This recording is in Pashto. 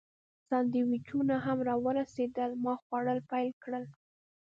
سانډویچونه هم راورسېدل، ما خوړل پیل کړل.